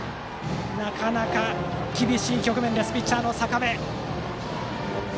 なかなか、厳しい局面ピッチャーの坂部。